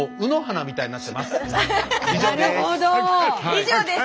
「以上です」